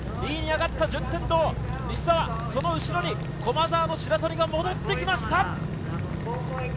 ２位に上がった順天堂・西澤、その後ろに駒澤の白鳥が戻ってきました。